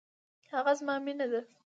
هغه زما مینه ده